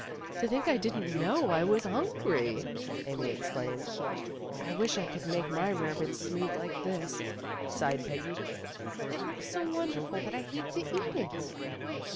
"To think I didn't know I was hungry," Amy exclaimed. "I wish I could make my rarebits smooth like QUITE INFORMAL 163 this," sighed Peggy. "It looks so wonderful that I hate to eat it."